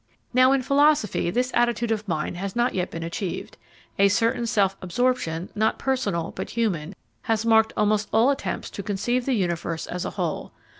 Now in philosophy this attitude of mind has not as yet been achieved. A certain self absorption, not personal, but human, has marked almost all attempts to conceive the universe as a whole.